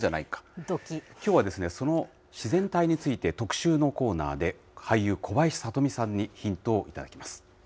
きょうはですね、その自然体について、特集のコーナーで、俳優、小林聡美さんにヒントを頂きます。